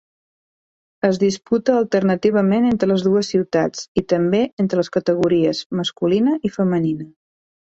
Es disputa alternativament entre les dues ciutats i també entre les categories masculina i femenina.